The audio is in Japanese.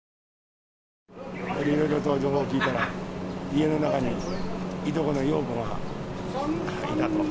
いろいろと情報を聞いたら、家の中にいとこの洋子がいたと。